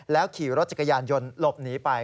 ขี่รถจักรยานยนต์หลบหนีไป